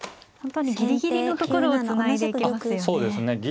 本当にギリギリのところをつないでいきますよね。